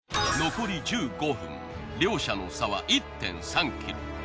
残り１５分両者の差は１．３ｋｇ。